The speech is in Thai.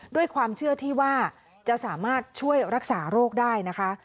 ด้วยความเชื่อที่ว่าจะสามารถช่วยรักษาโรคได้นะคะ